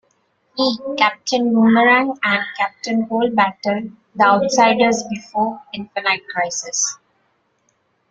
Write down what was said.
He, Captain Boomerang and Captain Cold battle the Outsiders before "Infinite Crisis".